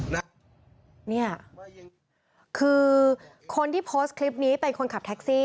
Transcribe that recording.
นี่คือคนที่โพสต์คลิปนี้เป็นคนขับแท็กซี่